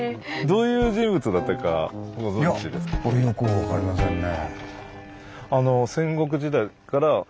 いやよく分かりませんね。